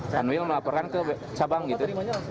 tanwil melaporkan ke cabang gitu